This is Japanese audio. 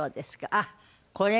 あっこれが。